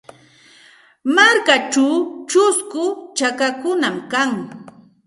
Markachaw chusku chakakunam kan.